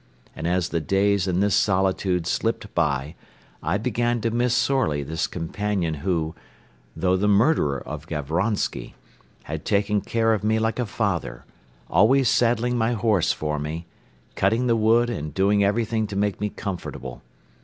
And as the days in this solitude slipped by I began to miss sorely this companion who, though the murderer of Gavronsky, had taken care of me like a father, always saddling my horse for me, cutting the wood and doing everything to make me comfortable.